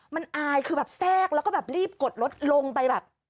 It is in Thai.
มันอายคือแบบแทรกแล้วก็แบบรีบกดรถลงไปแบบ